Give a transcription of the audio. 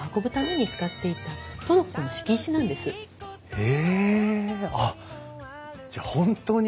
へえ！